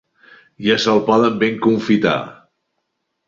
Ja se'l poden ben confitar.